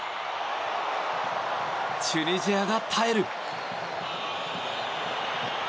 チュニジアが耐える！